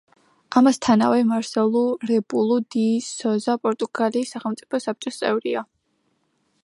ამასთანავე, მარსელუ რებელუ დი სოზა პორტუგალიის სახელმწიფო საბჭოს წევრია.